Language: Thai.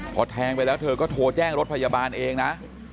พอแทงไปแล้วเธอก็โทรแจ้งรถพยาบาลเองนะ